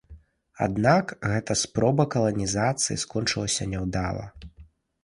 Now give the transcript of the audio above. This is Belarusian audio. Аднак гэта спроба каланізацыі скончылася няўдала.